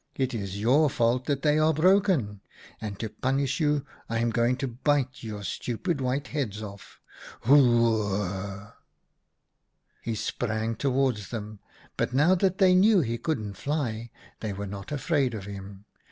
It is your fault that they are broken, and to punish you I am going to bite your stupid white heads off. Hoor rr rr rr !' "He sprang towards them, but now that they knew he couldn't fly they were not afraid of him.